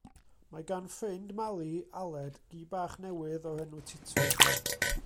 Mae gan ffrind Mali, Aled, gi bach newydd o'r enw Titw.